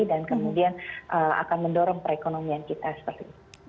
dan kemudian akan mendorong perekonomian kita seperti ini